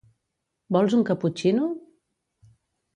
Vols un caputxino?